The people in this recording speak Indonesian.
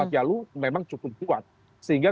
jalur memang cukup kuat sehingga